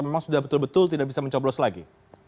memang sudah betul betul tidak bisa mencoblos lagi